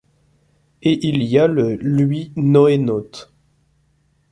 Et il y a le lui-NoéNaute.